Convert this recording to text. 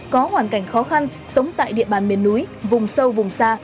có hoàn cảnh khó khăn sống tại địa bàn miền núi vùng sâu vùng xa